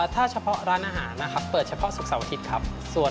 ถ้าเฉพาะร้านอาหารนะครับเปิดเฉพาะศุกร์สวัสดีครับ